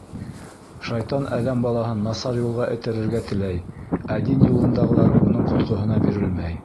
Шайтан әҙәм балаһын насар юлға этәрергә теләй, ә дин юлындағылар уның ҡотҡоһона бирелмәй.